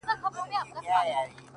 هغه له وېرې څخه لرې له انسانه تښتي _